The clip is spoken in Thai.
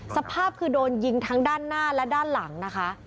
สภาพคือโดนยิงทั้งด้านหน้าและด้านหลังนะคะ